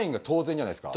当然。